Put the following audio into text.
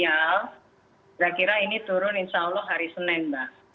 saya kira ini turun insya allah hari senin mbak